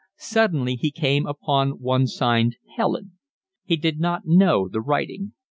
Suddenly he came upon one signed Helen. He did not know the writing.